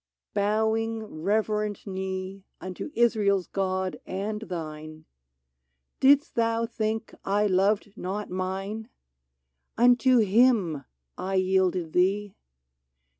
— bowing reverent knee Unto Israel's God and thine — Did' St thou think I loved not mine ? Unto him I yielded thee